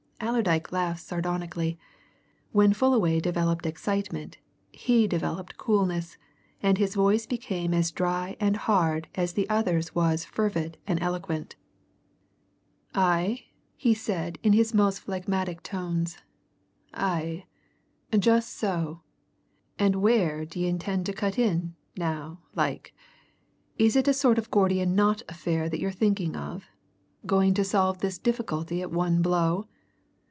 Allerdyke laughed sardonically. When Fullaway developed excitement, he developed coolness, and his voice became as dry and hard as the other's was fervid and eloquent. "Aye!" he said in his most phlegmatic tones. "Aye, just so! And where d'ye intend to cut in, now, like? Is it a sort of Gordian knot affair that you're thinking of? Going to solve this difficulty at one blow?"